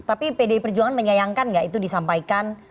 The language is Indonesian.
tapi pdi perjuangan menyayangkan nggak itu disampaikan